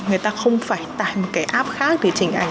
người ta không phải tải một cái app khác để chỉnh ảnh